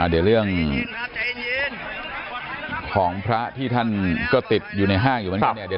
เดี๋ยวเรื่องของพระที่ท่านก็ติดอยู่ในห้างอยู่เหมือนกันเนี่ย